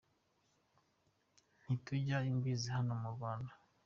Ntitujya imbizi hano mu Rwanda